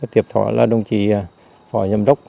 tiếp theo đó là đồng chí phó giám đốc